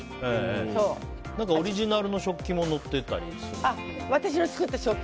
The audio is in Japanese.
オリジナルの食器も載ってたりするっていう。